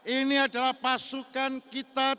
ini adalah pasukan kita